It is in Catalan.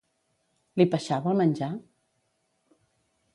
Li peixava el menjar?